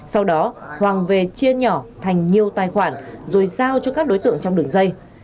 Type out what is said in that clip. sau đó hoàng về chia nhỏ thành nhiều tài khoản rồi giao cho các đối tượng trong đường dây